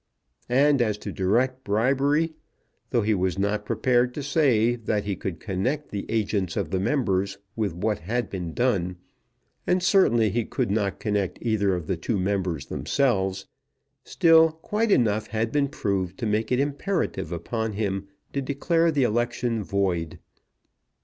And as to direct bribery, though he was not prepared to say that he could connect the agents of the members with what had been done, and certainly he could not connect either of the two members themselves, still, quite enough had been proved to make it imperative upon him to declare the election void.